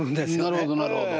なるほどなるほど。